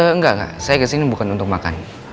enggak kak saya kesini bukan untuk makan